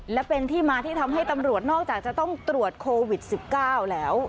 และเป็นที่มาที่ทำให้ตำรวจนอกจากจะต้องตรวจโควิด๑๙แล้ว